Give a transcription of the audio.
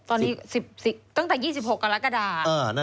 ตอนนี้ตั้งแต่๒๖อันละกระดาษ